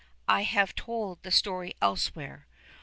I have told the story elsewhere.